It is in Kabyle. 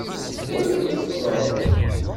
D wanwa tfeḍreḍ?